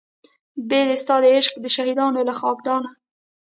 بې د ستا د عشق د شهیدانو له خاکدانه